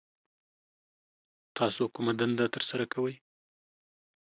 تاسو کومه دنده ترسره کوي